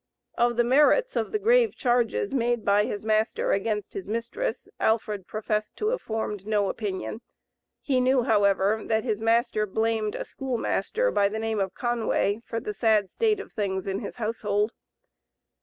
Of the merits of the grave charges made by his master against his mistress, Alfred professed to have formed no opinion; he knew, however, that his master blamed a school master, by the name of Conway, for the sad state of things in his household.